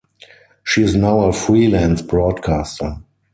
She is now a freelance broadcaster.